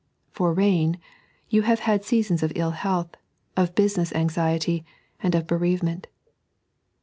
For Rain, you have bad seasons of ill health, of business anxiety, and of bereavement.